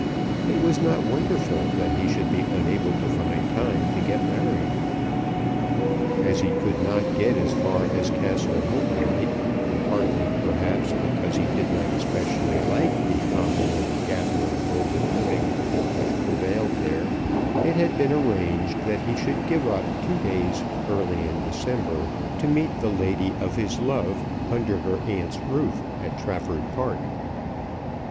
It was not wonderful that he should be unable to find time to get married. As he could not get as far as Castle Hautboy, partly, perhaps, because he did not especially like the omnium gatherum mode of living which prevailed there, it had been arranged that he should give up two days early in December to meet the lady of his love under her aunt's roof at Trafford Park.